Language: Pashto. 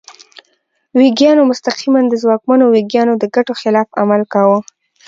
ویګیانو مستقیماً د ځواکمنو ویګیانو د ګټو خلاف عمل کاوه.